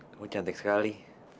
kamu cantik sekali